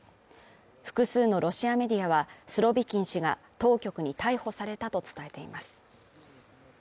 複数のロシアメディアはスロビキン氏が当局に逮捕されたと伝えています。